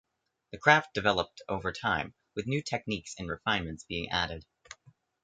The craft developed over time, with new techniques and refinements being added.